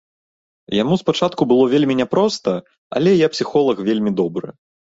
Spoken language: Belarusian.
Яму спачатку было вельмі няпроста, але я псіхолаг вельмі добры.